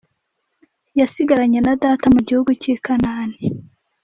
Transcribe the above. yasigaranye na data mu gihugu cy’i kanani